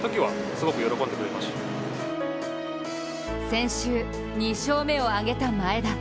先週、２勝目を挙げた前田。